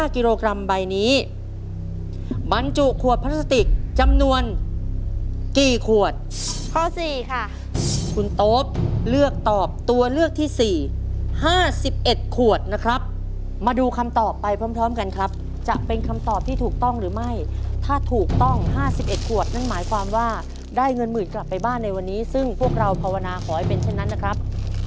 ค่ะคุณโต๊ปเลือกตอบตัวเลือกที่สี่ห้าสิบเอ็ดขวดนะครับมาดูคำตอบไปพร้อมกันครับจะเป็นคำตอบที่ถูกต้องหรือไม่ถ้าถูกต้องห้าสิบเอ็ดขวดนั่งหมายความว่าได้เงินหมื่นกลับไปบ้านในวันนี้ซึ่งพวกเราภาวนาขอให้เป็นเช่นนั้นนะครับ